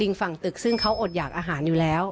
ฝั่งตึกซึ่งเขาอดอยากอาหารอยู่แล้ว